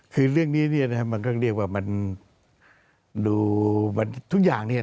คือเรื่องนี้มันก็เรียกว่ามันดูทุกอย่าง